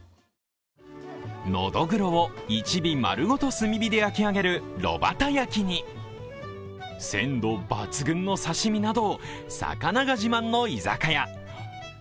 のどぐろを、１尾まるごと炭火で焼き上げる炉端焼きに鮮度抜群の刺身など、魚が自慢の居酒屋。